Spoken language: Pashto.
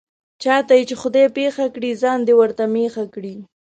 چاته یې چې خدای پېښه کړي، ځان دې ورته مېښه کړي.